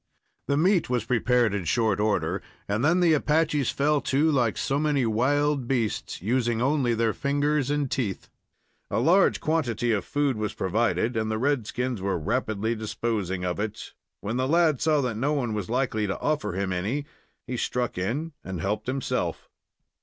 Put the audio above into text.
The meat was prepared in short order, and then the Apaches fell to like so many wild beasts, using only their fingers and teeth. A large quantity of food was provided, and the redskins were rapidly disposing of it, when the lad saw that no one was likely to offer him any, and he struck in and helped himself.